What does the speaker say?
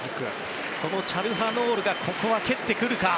そのチャルハノールがここは蹴ってくるか。